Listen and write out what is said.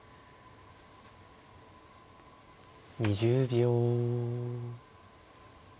２０秒。